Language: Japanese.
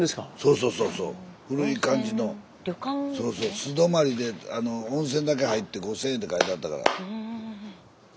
素泊まりで温泉だけ入って５，０００円って書いてあったから。